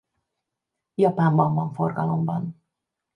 Japánban van forgalomban.